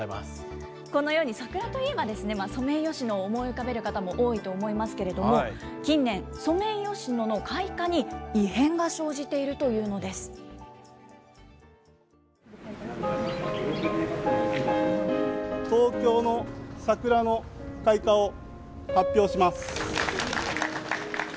このように桜といえば、ソメイヨシノを思い浮かべる方も多いと思いますけれども、近年、ソメイヨシノの開花に異変が生じていると東京の桜の開花を発表します。